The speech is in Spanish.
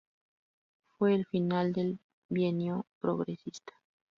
Fue el final del bienio progresista.